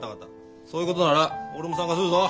そういうことなら俺も参加するぞ。